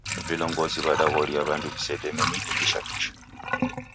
Vilongozi w'adaghoria w'andu w'isedeme midi kisha kisha